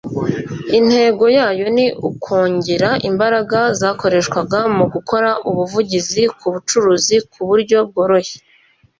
Intego yayo ni ukongera imbaraga zakoreshwaga mu gukora ubuvugizi ku bucuruzi ku buryo bworoshye